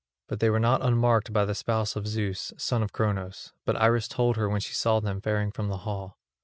But they were not unmarked by the spouse of Zeus, son of Cronos; but Iris told her when she saw them faring from the hall.